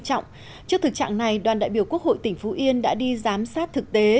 trước thực trạng này đoàn đại biểu quốc hội tỉnh phú yên đã đi giám sát thực tế